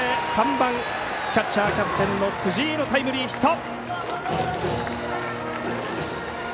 ３番、キャッチャーキャプテンの辻井のタイムリーヒット。